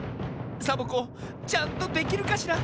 サボ子ちゃんとできるかしら？